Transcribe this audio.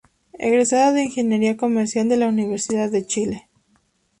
Egresado de ingeniería comercial de la Universidad de Chile.